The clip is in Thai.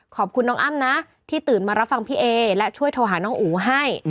ขอบคุณน้องอ้ำนะที่ตื่นมารับฟังพี่เอและช่วยโทรหาน้องอู๋ให้